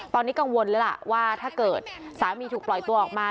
ตอนนี้กังวลแล้วล่ะว่าถ้าเกิดสามีถูกปล่อยตัวออกมา